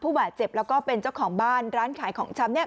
บาดเจ็บแล้วก็เป็นเจ้าของบ้านร้านขายของชำเนี่ย